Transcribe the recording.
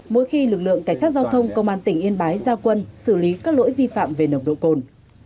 mỗi khi lực lượng cảnh sát giao thông công an tỉnh yên bái giao quân xử lý các lỗi vi phạm về nồng độ cồn